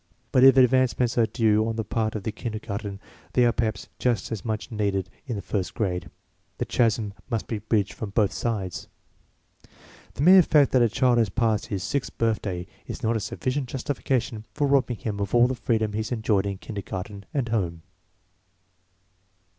But if adjustments are due on the part of the kinder garten, they are perhaps just as much needed in the first grade. The chasm must be bridged from both AMONG KINDERGARTEN CHILDREN 41 sides. The mere fact that a child has passed his sixth birthday is not a sufficient justification for robbing him of all the freedom he has enjoyed in kindergarten and home.